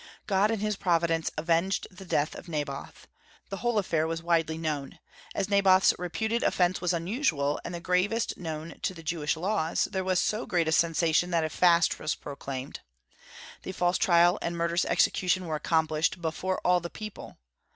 God in his providence avenged the death of Naboth. The whole affair was widely known. As Naboth's reputed offence was unusual, and the gravest known to the Jewish laws, there was so great a sensation that a fast was proclaimed. The false trial and murderous execution were accomplished "before all the people."